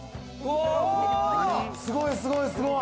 すごいすごい！